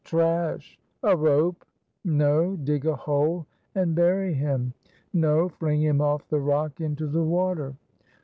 "Trash! a rope no! dig a hole and bury him no! fling him off the rock into the water."